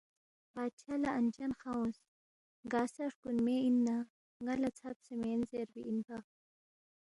بادشاہ لہ انچن خا اونگس، گا سہ ہرکُونمے اِننا ن٘ا لہ ژھبسے مین زیربی اِنپا